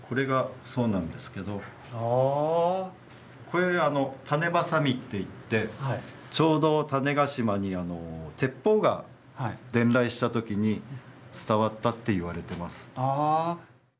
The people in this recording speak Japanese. これ種子鋏っていってちょうど種子島に鉄砲が伝来した時に伝わったっていわれてます。